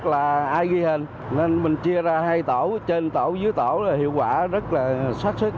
là ai ghi hình nên mình chia ra hai tổ trên tổ dưới tổ là hiệu quả rất là sát sức